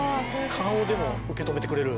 顔でも受け止めてくれる。